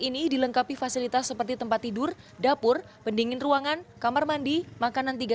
ini dilengkapi fasilitas seperti tempat tidur dapur pendingin ruangan kamar mandi makanan tiga